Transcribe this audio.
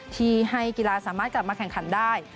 ที่ให้กีฬาสามารถกลับมาแข่งขันได้